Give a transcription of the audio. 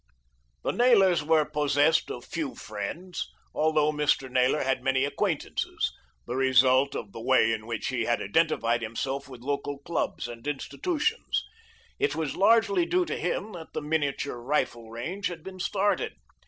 The Naylors were possessed of few friends, although Mr. Naylor had many acquaintances, the result of the way in which he had identified himself with local clubs and institutions. It was largely due to him that the miniature rifle range had been started.